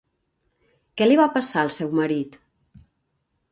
Què li va passar al seu marit?